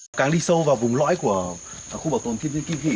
khi chúng tôi vào vùng lõi của khu bảo tồn thiên nhiên kim hỷ